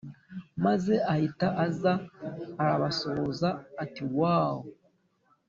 maze ahita aza arabasuhuza ati’woow